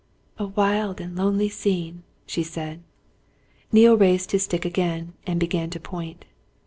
"A wild and lonely scene!" she said. Neale raised his stick again and began to point.